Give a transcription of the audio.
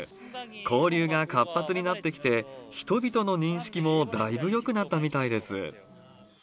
交流が活発になってきて、人々の認識もだいぶよくなったみたいです。